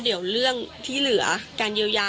เดี๋ยวเรื่องที่เหลือการเยียวยา